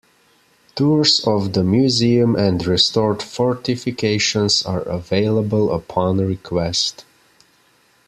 Tours of the museum and restored fortifications are available upon request.